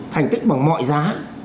thành tích bằng mọi giá